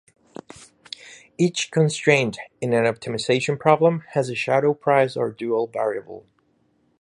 Each constraint in an optimization problem has a shadow price or dual variable.